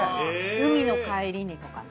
海の帰りにとかね。